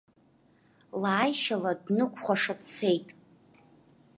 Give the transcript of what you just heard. Лааишьала днықәхәаша дцеит.